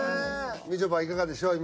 みちょぱいかがでしょう？